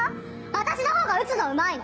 私の方が撃つのうまいの！